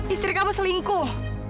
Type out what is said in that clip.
istri kamu selingkuh